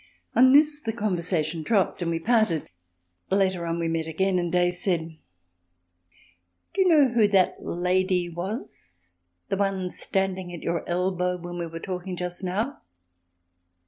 On this the conversation dropped, and we parted. Later on we met again and Day said: "Do you know who that lady was—the one standing at your elbow when we were talking just now?"